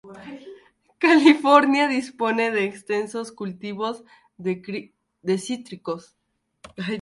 California dispone de extensos cultivos de cítricos.